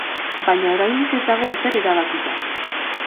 Baina oraindik ez dago ezer erabakita.